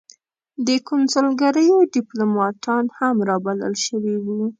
د کنسلګریو دیپلوماتان هم را بلل شوي وو.